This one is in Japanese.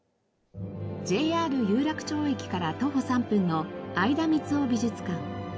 ＪＲ有楽町駅から徒歩３分の相田みつを美術館。